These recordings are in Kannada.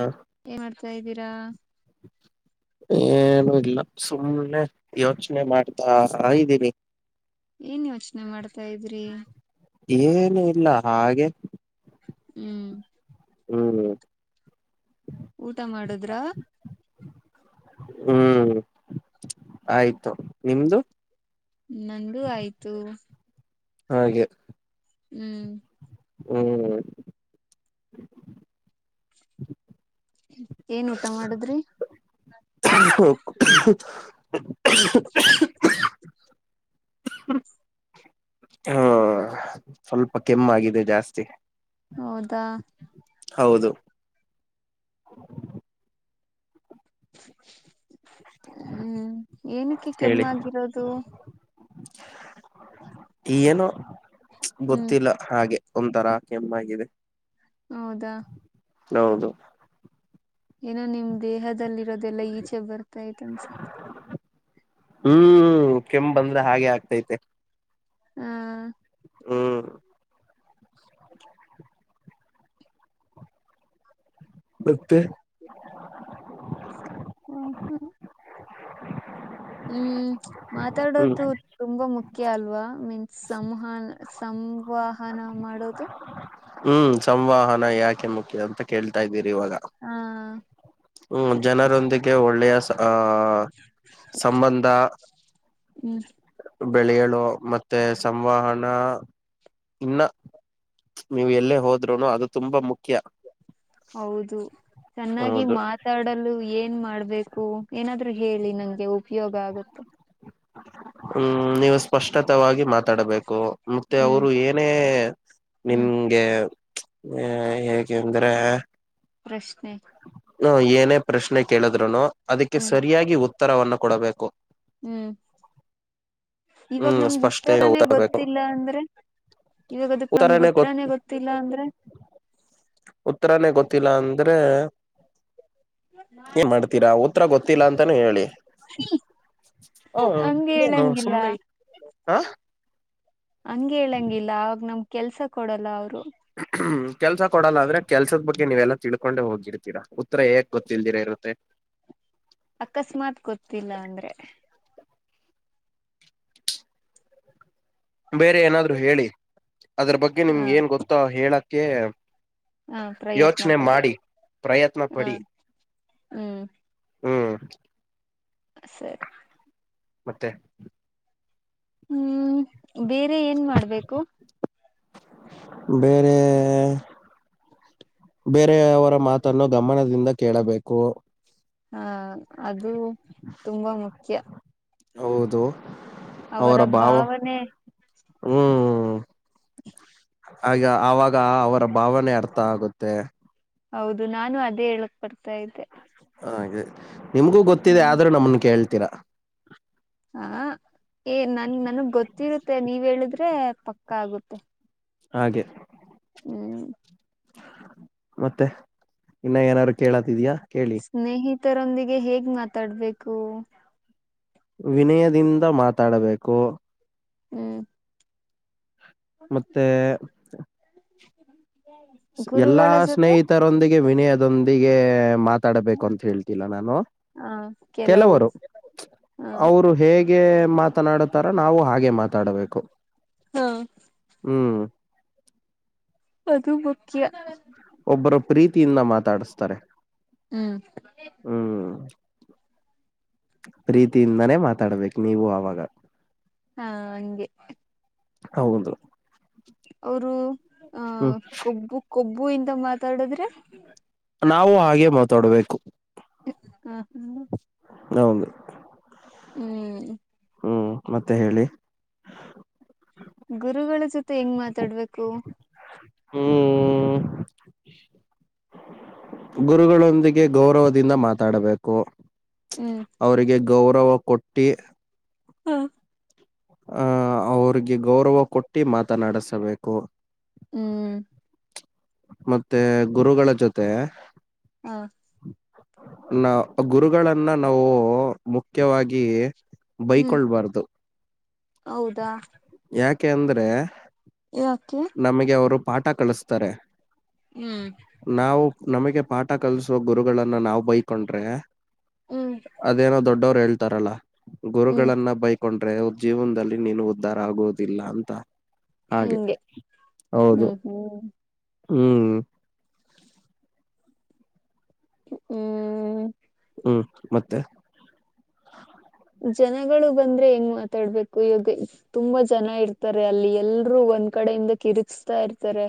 ಹಾ ಏನ್ ಮಾಡ್ತಾ ಇದೀರಾ? ಏನು ಇಲ್ಲ ಸುಮ್ನೆ ಯೋಚನೆ ಮಾಡ್ತಾ ಇದ್ದೀನಿ. ಏನ್ ಯೋಚನೆ ಮಾಡ್ತಾ ಇದ್ರಿ. ಏನು ಇಲ್ಲ ಹಾಗೆ. ಹ್ಮ್ ಹ್ಮ್ ಹ್ಮ ಊಟ ಮಾಡುದ್ರ? ಹ್ಮ್ ಆಯ್ತು ನಿಮ್ದು? ನಂದುೂ ಆಯ್ತು. ಹಾಗೆ ಹ್ಮ್. ಹ್ಮ್. ಏನ್ ಊಟ ಮಾಡುದ್ರಿ? ಹ [inaudible] ಹ್ಮ ಸ್ವಲ್ಪ ಕೆಮ್ಮ ಆಗಿದೆ ಜಾಸ್ತಿ. ಹೌದಾ. ಹೌದು. ಹ್ಮ್ ಏನಕ್ಕೆ ಹೇಳಿ ಕೆಮ್ಮಾಗಿರೋದು? ಏನೋ ಹ್ಮ್ ಗೊತ್ತಿಲ್ಲ? ಹಾಗೆ ಒಂಥರಾ ಕೆಮ್ಮಾ ಆಗಿದೆ. ಹೌದಾ? ಹೌದು. ಏನೋ ನಿಮ್ ದೇಹದಲ್ಲಿ ಇರೋದೆಲ್ಲಾ ಈಚೆ ಬರ್ತಾ ಇತ್ತು ಅನ್ಸುತ್? ಹ್ಮ್ ಕೆಮ್ಮ ಬಂದ್ರೆ ಹಾಗೆ ಆಗ್ತೈತೆ. ಹಾ ಹ್ಮ್. ಮತ್ತೆ? [inaudible] ಹ್ಮ್ ಹ್ಮ್ ಮಾತಾಡೋದು ತುಂಬಾ ಮುಖ್ಯ ಅಲ್ವಾ ಮೀನ್ಸ್ ಸಂಹನ್ ಸಂವಹನ ಮಾಡೋದು? ಹ್ಮ್ ಸಂವಹನ ಯಾಕೆ ಮುಖ್ಯ ಅಂತ ಕೇಳ್ತಾ ಇದ್ದೀರಿ ಇವಾಗ. ಹಾ ಹ್ಮ್ ಜನರೊಂದಿಗೆ ಒಳ್ಳೆಯ ಸಹ ಸಂಬಂಧ. ಹ್ಮ್ ಬೆಳೆಯಲು ಮತ್ತೆ ಸಂವಹನ ಇನ್ನ ನೀವು ಎಲ್ಲೇ ಹೋದ್ರೂನು ಅದು ತುಂಬಾ ಮುಖ್ಯ. ಹೌದು ಚೆನ್ನಾಗಿ ಮಾತ್ ಹೌದು ಮಾತಾಡಲು ಏನ್ ಮಾಡ್ಬೇಕು ಏನಾದರೂ ಹೇಳಿ ನಂಗೆ ಉಪಯೋಗ ಆಗುತ್ತೆ. ಹ್ಮ ನೀವ ಸ್ಪಷ್ಟತವಾಗಿ ಮಾತಾಡಬೇಕು. ಮತ್ತೆ ಹ್ಮ್ ಅವರು ಏನೇ ಹ್ಮ್ ನಿಂಗೆ ಎ ಹೇಗೆಂದ್ರೆ ಪ್ರಶ್ನೆ ಹ ಏನೇ ಪ್ರಶ್ನೆ ಕೇಳಿದ್ರುನು ಅದಕ್ಕೆ ಹ್ಮ್ ಸರಿಯಾಗಿ ಉತ್ತರವನ್ನ ಕೊಡಬೇಕು. ಹ್ಮ ಇವಾಗ ಹ್ಮ್ ನಮ್ಗ ಸ್ಪಷ್ಟೆ ಉತ್ತರನೇ ಉತ್ತರಬೇಕು ಗೊತ್ತಿಲ್ಲ ಅಂದ್ರೆ ಇವಾಗ ಅದಕ್ ನಮಗ ಉತ್ತರನೇ ಗೊ ಉತ್ರಾನೆ ಗೊತ್ತಿಲ್ಲ ಅಂದ್ರೆ ಉತ್ತರಾನೇ ಗೊತ್ತಿಲ್ಲ ಅಂದ್ರೆ ಏನ್ ಮಾಡ್ತೀರಾ. ಹತ್ರ ಗೊತ್ತಿಲ್ಲ ಅಂತಾನೇ ಹೇಳಿ. ಹ ಹಂಗ ಇನ್ನೇನು ಹೇಳಂಗಿಲ್ಲ ಸುಮ್ನೆ ಹ ಹಂಗ ಹೇಳಂಗಿಲ್ಲ ಅವಾಗ ನಮ ಕೆಲ್ಸ ಕೊಡಲ್ಲ ಅವರು ಹ್ಮ ಕೆಲ್ಸ ಕೊಡಲ್ಲ ಅಂದ್ರೆ ಕೆಲ್ಸದ ಬಗ್ಗೆ ನೀವೆಲ್ಲಾ ತಿಳ್ಕೊಂಡೆ ಹೋಗಿರ್ತೀರಾ ಉತ್ತರ ಹೇಕ್ ಗೊತ್ತಿಲ್ದಿರ ಇರುತ್ತೆ. ಅಕಸ್ಮಾತ್ ಗೊತ್ತಿಲ್ಲ ಅಂದ್ರೆ ಬೇರೆ ಏನಾದ್ರು ಹೇಳಿ ಅದ್ರ ಬಗ್ಗೆ ಹ ನಿಮ್ಗೆ ಏನ್ ಗೊತ್ತೋ ಹೇಳಕ್ಕೆೆ ಹಾ ಪ್ರಯತ್ನ ಪಡಿ ಪ್ರಯತ್ನ ಹ್ಮ ಹ್ಮ ಹ್ಮ ಸರಿ. ಮತ್ತೆ ಹ್ಮ ಬೇರೆ ಏನ್ ಮಾಡ್ಬೇಕು. ಬೇರೆ ಬೇರೆಯವರ ಮಾತನ್ನು ಗಮನದಿಂದ ಕೇಳಬೇಕು. ಹ ಅದು ತುಂಬಾ ಮುಖ್ಯ. ಹೌದು ಅವರ ಭಾವ ಹ್ಮ ಆ ಆಗ ಅವರ ಭಾವನೆ ಅರ್ಥ ಆಗುತ್ತೆ. ಹೌದು ನಾನು ಅದೇ ಹೇಳಕ್ ಬರ್ತಾ ಇದ್ದೆ. ಹಾಗೆ ನಿಮ್ಗೂ ಗೊತ್ತಿದೆ ಹ್ಮ್ ಆದ್ರೂ ನಮನ್ ಕೇಳ್ತೀರಾ. ಹ ಏ ನನ್ ನನಗ್ ಗೊತ್ತಿರುತ್ತೆ ನೀವ ಹೇಳಿದ್ರೆ ಪಕ್ಕಾ ಆಗುತ್ತೆ. ಹಾಗೆ ಹ್ಮ ಮತ್ತೆ ಇನ್ನ ಏನಾರು ಕೇಳದಿದಯ ಕೇಳ ಸ್ನೇಹಿತರೊಂದಿಗೆ ಹೇಗ್ ಮಾತಾಡ್ಬೇಕು. ವಿನಯದಿಂದ ಮಾತಾಡಬೇಕು. ಹ್ಮ ಮತ್ತೆ ಎಲ್ಲಾ ಗುರುಗಳ ಜೊತೆ ಸ್ನೇಹಿತರೊಂದಿಗೆ ವಿನಯದೊಂದಿಗೆ ಮಾತ ತಡಬೇಕು ಅಂತ ಹೇಳ್ತಿಲ್ಲ ನಾನು ಹ ಕೆಲವು ಕೆಲವರು ಹ ಅವರು ಹೇಗೆ ಮಾತನಾಡತಾರ ನಾವು ಹಾಗೆ ಮಾತಾಡಬೇಕು. ಹಾ ಹ್ಮ ಅದು ಮುಖ್ಯ. ಒಬ್ಬರ ಪ್ರೀತಿಯಿಂದ ಮಾತಾಡಸ್ತಾರೆ. ಹ್ಮ ಹ್ಮ ಪ್ರೀತಿಯಿಂದಾನೇ ಮಾತಾಡ್ಬೇಕ. ನೀವು ಅವಾಗ ಹಾ ಹಂಗೆ ಹೌದು. ಅವರು ಆ ಹ್ಮ್ ಕೊಬ್ಬು ಕೊಬ್ಬು ಇಂದ ಮಾತಾಡದ್ರೆ ನಾವು ಹಾಗೆ ಮಾತಾಡ್ಬೇಕು. ಹ ಹಾ ಹೌದು. ಹ್ಮ ಹ್ಞೂ ಮತ್ತೆ ಹೇಳಿ. ಗುರುಗಳ ಜೊತೆ ಹೆಂಗ್ ಮಾತಾಡ್ಬೇಕು. ಹ್ಮ ಗುರುಗಳೊಂದಿಗೆ ಗೌರವದಿಂದ ಮಾತಾಡಬೇಕು. ಹ್ಮ್ ಅವರಿಗೆ ಗೌರವ ಕೊಟ್ಟಿ ಹಾ ಆ ಅವ್ರಿಗೆ ಗೌರವ ಕೊಟ್ಟ ಮಾತನಾಡಸಬೇಕು. ಹ್ಮ ಮತ್ತೆ ಗುರುಗಳ ಜೊತೆ ಹಾ ನ ಗುರುಗಳನ್ನ ನಾವು ಮುಖ್ಯವಾಗಿ ಹ್ಮ್ ಬೈಕೊಳ್ಬಾರ್ದು. ಹೌದಾ. ಯಾಕೆ ಅಂದ್ರೆ ಯಾಕೆ ನಮಗೆ ಅವರು ಪಾಠ ಕಳಿಸ್ತಾರೆ. ಹ್ಮ ನಾವು ನಮಗೆ ಪಾಠ ಕಲ್ಸೋ ಗುರುಗಳನ್ನ ನಾವ ಬೈಕೊಂಡ್ರೆ ಹ್ಮ್ ಅದೇನೋ ದೊಡ್ಡವರು ಹೇಳ್ತಾರಲ್ಲ ಹ್ಮ್ ಗುರುಗಳನ್ನ ಬೈಕ್ ಕೊಂಡ್ರೆ ಜೀವನದಲ್ಲಿ ನೀನು ಉದ್ಧಾರ ಆಗುವುದಿಲ್ಲ ಅಂತ ಹಾಗೆ ಹಂಗೆ ಹೌದು ಹ್ಮ್ ಹ್ಮ್ ಹ್ಮ ಹ್ಮ ಹ್ಮ್ ಮತ್ತೆ ಜನಗಳು ಬಂದ್ರೆ ಹೆಂಗ್ ಮಾತಾಡ್ಬೇಕು ಇಗ ತುಂಬಾ ಜನ ಇರ್ತಾರೆ ಅಲ್ಲಿ ಎಲ್ರೂ ಒಂದ್ ಕಡೆಯಿಂದ ಕಿರಚತಾ ಇರ್ತಾರೆ.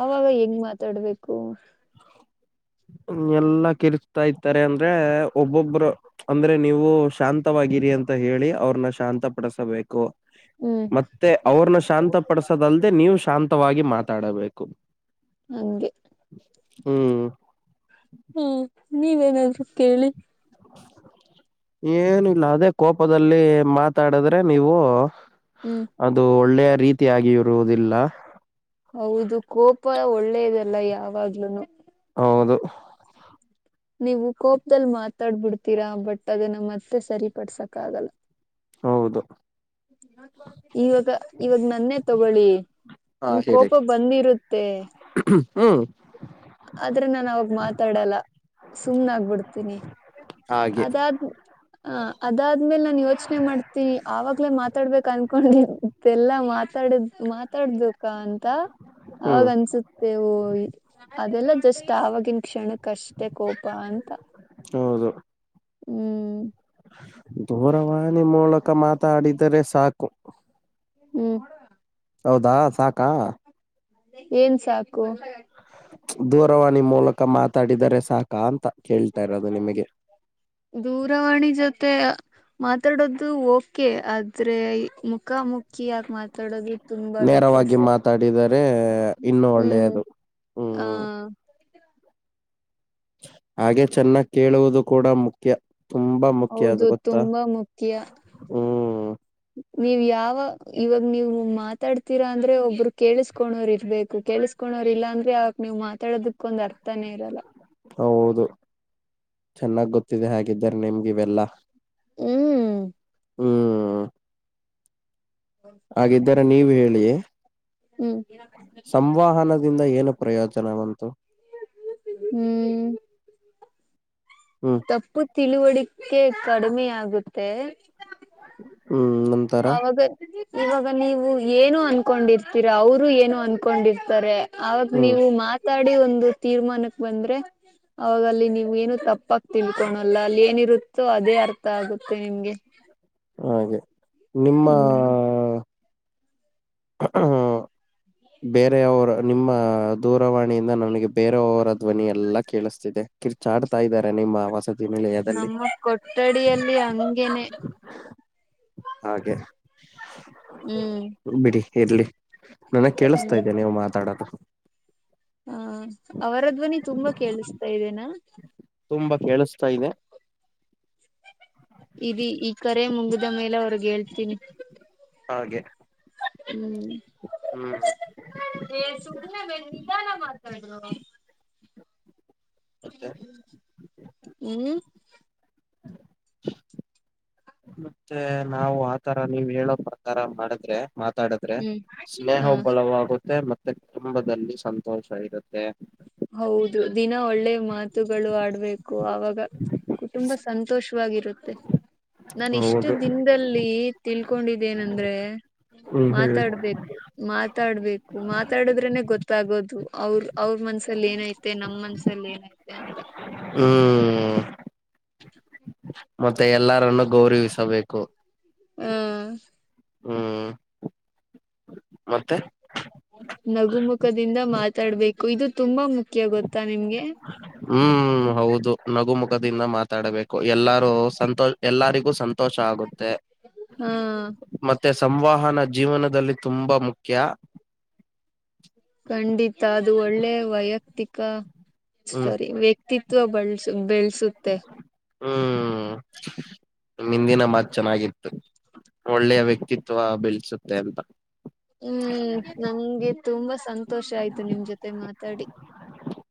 ಆವಾಗ ಹೆಂಗ್ ಮಾತಾಡ್ಬೇಕು. ಎಲ್ಲಾ ಕಿರಚ್ತಾ ಇತಾರೆ ಅಂದ್ರೆ ಒಬ್ಬೊಬ್ಬರು ಅಂದ್ರೆ ನೀವು ಶಾಂತವಾಗಿರಿ ಅಂತ ಹೇಳಿ ಅವ್ರನ್ನ ಶಾಂತ ಪಡಸಬೇಕು. ಹ್ಮ ಮತ್ತೆ ಅವ್ರನ್ನ ಶಾಂತ ಪಡಸದಲ್ದೆ ನೀವು ಶಾಂತವಾಗಿ ಮಾತಾಡಬೇಕು. ಹಂಗೆ ಹ್ಮ ಹ್ಮ್ ನೀವೇನಾದ್ರು ಕೇಳಿ. ಏನಿಲ್ಲ ಅದೇ ಕೋಪದಲ್ಲಿ ಮಾತಾಡಿದ್ರೆ ನೀವು ಹ್ಮ ಅದು ಒಳ್ಳೆಯ ರೀತಿಯಾಗಿ ಇರುವುದಿಲ್ಲ. ಹೌದು ಕೋಪ ಒಳ್ಳೇದಲ್ಲ ಯಾವಾಗ್ಲೂನು ಹೌದು. ನೀವು ಕೋಪದಲ್ ಮಾತಾಡ್ಬಿಡ್ತೀರಾ ಬಟ್ ಅದನ್ನ ಮತ್ತೆ ಸರಿ ಪಡ್ಸಕ್ ಆಗಲ್ಲ. ಹೌದು ಇವಾಗ ಇವಾಗ ನನ್ನೇ ತಗೊಳ್ಳಿ. ಹಾ ನಂಗ್ ಹೇಳಿ ಕೋಪ ಬಂದಿರುತ್ತೆ. ಹ್ಮ್ ಆದ್ರೆ ನಾನ ಅವಾಗ ಮಾತಾಡಲ್ಲ. ಸುಮ್ನ ಆಗ್ಬಿಡ್ತೀನಿ ಹಾಗೆ ಅದಾದ್ ಹ ಅದಾದ್ಮೇಲೆ ನಾನ್ ಯೋಚನೆ ಮಾಡ್ತೀನಿ ಆವಾಗ [unintelligible] ಮಾತಾಡ್ಬೇಕು ಅನ್ಕೊಂಡೆಲ್ಲಾ ಮಾತಾಡ ಮಾತಾಡ್ದಕ ಅಂತ. ಅವಾಗ ಹ್ಮ್ ಅನ್ಸುತ್ತ [unintelligible] ಅದೆಲ್ಲ ಜಸ್ಟ್ ಆವಾಗಿನ ಕ್ಷಣಕ್ಕೆ ಅಷ್ಟೇ ಕೋಪ ಅಂತ. ಹೌದು ಹ್ಮ್ ದೂರವಾಣಿ ಮೂಲಕ ಮಾತಾಡಿದರೆ ಸಾಕು. ಹ್ಮ್ ಹೌದಾ ಸಾಕಾ. ಏನ್ ಸಾಕು. ದೂರವಾಣಿ ಮೂಲಕ ಮಾತಾಡಿದರೆ ಸಾಕ ಅಂತ ಕೇಳ್ತಾ ಇರೋದು ನಿಮಿಗೆ. ದೂರವಾಣಿ ಜೊತೆ ಮಾತಾಡೋದು ಓಕೆ ಆದ್ರೇ ಮುಖ ಮುಖ ನೇರವಾಗಿ ಇರುತ್ತೆ. ಮಾತಾಡಿದರೆ ಇನ್ನು ಒಳ್ಳೆಯದು. ಹಾ ಹ್ಮ್ ಹಾಗೆ ಚೆನ್ನಾಗ್ ಕೇಳುವುದು ಕೂಡ ಮು ಖ್ಯ ತುಂಬಾ ಮುಖ್ಯ ಅದು ಹೌದು ಗೊತ್ತಾ ತುಂಬಾ ಮುಖ್ಯ ಹ್ಮ್. ನೀವ್ ಯಾವ ಇವಾಗ ನೀವು ಮಾತಾಡ್ತೀರಾ ಅಂದ್ರೆ ಒಬ್ಬರು ಕೇಳುಸ್ಕೋಣರಿರ್ಬೇಕು ಕೇಳಸ್ ಕೋಣರ್ ಇಲ್ಲ ಅಂದ್ರೆ ಅವವಾಗ ನೀವ್ ಮಾತಾಡಕ್ ಒಂದ್ ಅರ್ಥನೇ ಇರಲ್ಲ. ಹೌದು ಚೆನ್ನಾಗ್ ಗೊತ್ತಿದೆ ಹಾಗಿದ್ದಾರೆ ನಿಮ್ಗೆ ಇವೆಲ್ಲಾ. ಹ್ಮ್ ಹ್ಮ [inaudible] ಹಾಗಿದ್ದರೆ ನೀವು ಹೇಳಿ. ಹ್ಮ್ ಸಂವಹನದಿಂದ ಏನು ಪ್ರಯೋಜನವಂತು. ಹ್ಮ್ ಹ್ಮ್ ತಪ್ಪು ತಿಳಿವಳಿಕೆ ಕಡಿಮೆ ಆಗುತ್ತೆ ಹ್ಮ್ ನಮ್ ಅವಗ ಇವಾಗ ನೀವು ಏನು ಅನ್ಕೊಂಡಿರ್ತೀರಾ ಅವರು ಏನು ಅನ್ಕೊಂಡಿರ್ತಾರೆ ಅವಾಗ ಹ್ಮ್ ನೀವು ಮಾತಾಡಿ ಒಂದು ತೀರ್ಮಾನಕ್ ಬಂದ್ರೆ ಅವಾಗ ಅಲ್ಲಿ ನೀವ್ ಏನು ತಪ್ಪಾಗಿ ತಿಳ್ಕೊಳಲ್ಲ ಅಲ್ಲಿ ಏನಿರುತ್ತೋ ಅದೇ ಅರ್ಥ ಆಗುತ್ತೆ ನಿಮ್ಗೆ. ಹಾಗೆ ನಿಮ್ಮ ಹ್ಮ್ [unintelligible] ಬೇರೆಯವರ ನಿಮ್ಮ ದೂರವಾಣಿಯಿಂದ ನನಗೆ ಬೇರೆಯವರ ಧ್ವನಿಯ ಎಲ್ಲಾ ಕೇಳಿಸ್ತಿದೆ ಕಿರ್ಚಾಡ್ತಾ ಇದ್ದಾರೆ ನಿಮ್ಮ ವಸತಿ ನಿಲಯದಲ್ಲಿ ನಮ್ಮ ಕೊಠಡಿಯಲ್ಲಿ ಹಂಗೇನೆ. ಹಾಗೆ ಹ್ಮ್ ಬಿಡೀ ಇರ್ಲಿ. ನನಗ್ ಕೇಳಿಸ್ತಾ ಹ್ಮ್ ಇದೇ ನೀವು ಮಾತಾಡೋದು. ಹಾ ಅವರಧ್ವನಿ ತುಂಬಾ ಕೇಳಿಸ್ತಾ ಇದೇನಾ ತುಂಬಾ ಕೇಳಿಸ್ತಾ ಇದೆ ಇದಿ ಈ ಕರೆ ಮುಂಗಿದ ಮೇಲೆ ಅವರ್ಗ್ ಹೇಳ್ತೀನಿ ಹಾಗೆ ಹ್ಮ್ ಹ್ಮ ಏ ಸುಮ್ನೆ ಮೇಲೆ ನಿಧಾನ ಮಾತಾಡರು ಮತ್ತೆ ಹ್ಮ್ ಹ ಮತ್ತೆ ನಾವು ಆತರ ನೀವ್ ಹೇಳೋ ಪ್ರಕಾರ ಮಾಡಿದ್ರೆ ತಾಡದ್ರೆ ಹ್ಮ್ ಸ್ನೇಹ ಹ ಬಲವಾಗುತ್ತೆ ಮತ್ತೆ ಕುಟುಂಬದಲ್ಲಿ ಸಂತೋಷ ಇರುತ್ತೆ ಹೌದು ದಿನ ಒಳ್ಳೆ ಮಾತುಗಳು ಆಡ್ಬೇಕು ಆವಾಗ ಕುಟುಂಬ ಸಂತೋಷವಾಗಿರುತ್ತೆ ನಾಾನ ಇಷ್ಟು ಹೌದು ದಿನದಲ್ಲಿ ತಿಳ್ಕೊಂಡಿದ್ದೇನಂದ್ರೆ ಹ್ಮ್ ಹೇಳಿ ಮಾತಾಡ್ಬೇಕು ಮಾತಾಡ್ಬೇಕು ಮಾತಾಡುದ್ರನೆ ಗೊತ್ತಾಗೋದು ಅವ್ರ ಅವ್ರ ಮನ್ಸು ಮನಸಲಿ ಏನಐತೆ ನಮ್ಮ ಮನ್ಸಲ್ಲಿ ಏನೈತೆ ಹ್ಮ್ ಹ ಮತ್ತೆ ಎಲ್ಲರನ್ನು ಗೌರವಿಸಬೇಕು ಹ್ಮ ಹ್ಮ್ ಮತ್ತೆ ನಗುಮುಖದಿಂದ ಮಾತಾಡ್ಬೇಕು ಇದು ತುಂಬಾ ಮುಖ್ಯ ಗೊತ್ತಾ ನಿಮ್ಗೆ ಹ್ಮ್ ಹೌದು ನಗು ಮುಖದಿಂದ ಮಾತಾಡಬೇಕು ಎಲ್ಲಾರೂ ಸಂತೋಷ ಎಲ್ಲಾರಿಗೂ ಸಂತೋಷ ಆಗುತ್ತೆ ಹಾ ಮತ್ತೆ ಸಂವಹನ ಜೀವನದಲ್ಲಿ ತುಂಬಾ ಮುಖ್ಯ ಖಂಡಿತ ಅದು ಒಳ್ಳೆ ವೈಯಕ್ತಿಕ ಹ್ಮ್ ಸಾರಿ ವ್ಯ ವ್ಯಕ್ತಿತ್ವ ಬಳಸುತ್ತದೆ ಹ್ಮ್ ಹಿಂದಿನ ಮಾತ್ ಚೆನ್ನಾಗಿತ್ತು ಒಳ್ಳೆಯ ವ್ಯಕ್ತಿತ್ವ ಬೆಳೆಸುತ್ತೆ ಅಂತ ಹ್ಮ್ ನಮ್ಗೆ ತುಂಬಾ ಸಂತೋಷ ಆಯ್ತು ನಿಮ್ ಜೊತೆ ಮಾತಾಡಿ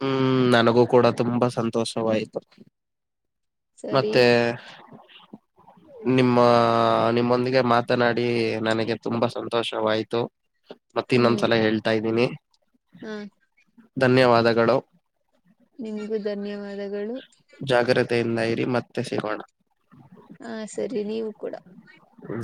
ಹ್ಮ್ ನನಗೂ ಕೂಡ ತುಂಬಾ ಸಂತೋಷವಾಯ್ತು ಸರಿ ಮತ್ತೆ ನಿಮ್ಮ ನಿಮ್ಮೊಂದಿಗೆ ಮಾತನಾಡಿ ನನಗೆ ತುಂಬಾ ಸಂತೋಷವಾಯ್ತು [unintelligible] ಮತ್ತೆ ಇನ್ನೊಂದ್ಸಲ ಹೇಳ್ತಾ ಇದ್ದೀನಿ ಹ್ಮ ಧನ್ಯವಾದಗಳು ನಿಮಗೂ ಧನ್ಯವಾದಗಳು ಜಾಗ್ರತೆಯಿಂದ ಇರಿ ಮತ್ತೆ ಸಿಗೋಣ ಹಾ ಸರಿ ನೀವು ಕೂಡ ಹ್ಮ